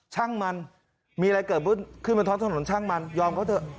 ช่างมันมีอะไรเกิดขึ้นบนท้องถนนช่างมันยอมเขาเถอะ